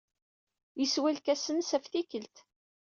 Yeswa lkas-nnes ɣef tikkelt.